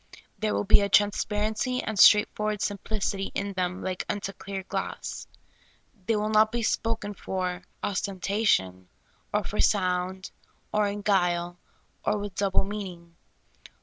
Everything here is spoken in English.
There will be a transparency and straightforward sim plicity in them like unto clear glass. The}' will not be spoken for ostentation, or for sound, or in guile, or with double meaning.